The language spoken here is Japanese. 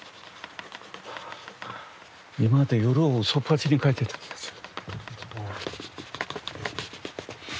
今まで夜をうそっぱちに描いてた気がする。